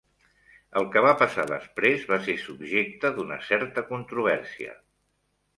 El que va passar després va ser subjecte d'una certa controvèrsia.